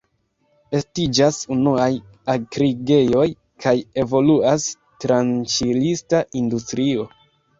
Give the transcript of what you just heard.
Estiĝas unuaj akrigejoj kaj evoluas tranĉilista industrio.